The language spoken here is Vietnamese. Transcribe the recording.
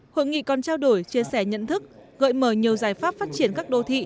hội nghị còn trao đổi chia sẻ nhận thức gợi mở nhiều giải pháp phát triển các đô thị